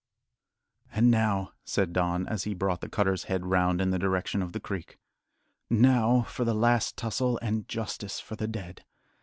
"And now," said Don, as he brought the cutters head round in the direction of the creek; "now for the last tussle and justice for the dead.